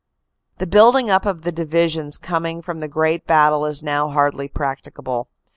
The building up of the divisions coming from the great battle is now hardly practicable.